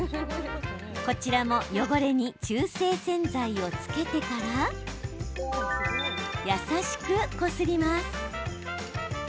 こちらも汚れに中性洗剤をつけてから優しくこすります。